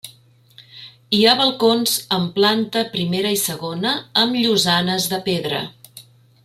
Hi ha balcons en planta primera i segona amb llosanes de pedra.